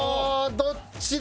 どっちだ？